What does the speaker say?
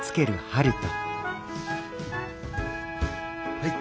はい。